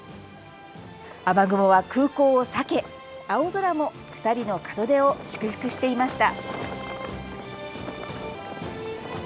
雨雲は空港を避け、青空も２人の門出を祝福していました。